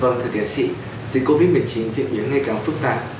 vâng thưa tiến sĩ dịch covid một mươi chín diễn biến ngày càng phức tạp